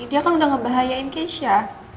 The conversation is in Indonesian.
dia kan udah ngebahayain keisha